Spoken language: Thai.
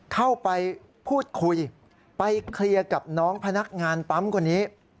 เข้าไปพูดคุยไปเคลียร์กับน้องพนักงานปั๊มคนนี้